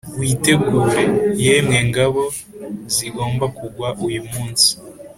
witegure, yemwe ngabo, zigomba kugwa uyu munsi!